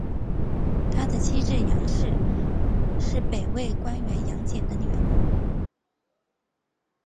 他的妻子杨氏是北魏官员杨俭的女儿。